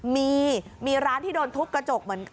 มีร้านที่โดนทุบกระจก